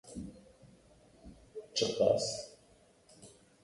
Çi qas